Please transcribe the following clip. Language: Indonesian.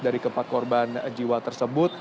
dari keempat korban jiwa tersebut